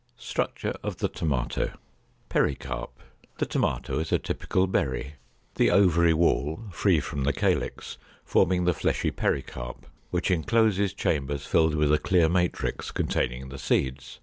STRUCTURE OF THE TOMATO. =Pericarp.= The tomato is a typical berry, the ovary wall, free from the calyx, forming the fleshy pericarp, which encloses chambers filled with a clear matrix, containing the seeds.